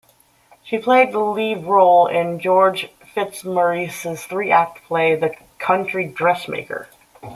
She played the lead role in George Fitzmaurice's three-act play "The Country Dressmaker".